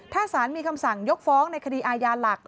ถ้าสารมีคำสั่งยกฟ้องในคดีอาญาหลัก